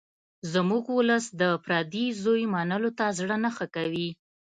زموږ ولس د پردي زوی منلو ته زړه نه ښه کوي